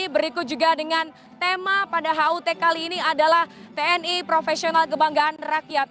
berikut juga dengan tema pada hut kali ini adalah tni profesional kebanggaan rakyat